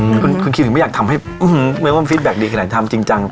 อืมคือคือคิดถึงไม่อยากทำให้อื้อหือไม่ว่ามีฟีดแบ็คดีขนาดทำจริงจัง